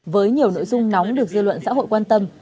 với nhiều nội dung nóng được dư luận xã hội quan tâm